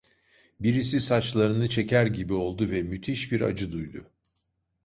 Birisi saçlarını çeker gibi oldu ve müthiş bir acı duydu.